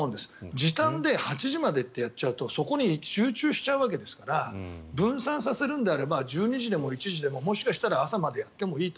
時短で８時までってやっちゃうとそこに集中しちゃうわけだから分散させるのであれば１２時でも１時でももしかしたら朝までやってもいいと。